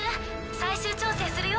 最終調整するよ。